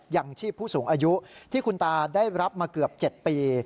ยังชีพผู้สูงอายุที่คุณตาได้รับมาเกือบ๗ปี